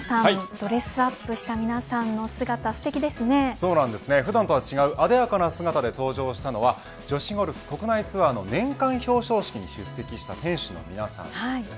ドレスアップした皆さんの姿普段とは違うあでやかな姿で登場したのは女子ゴルフ国内ツアーの年間表彰式に出席した選手の皆さんです。